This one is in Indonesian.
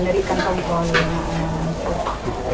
dari ikan tombol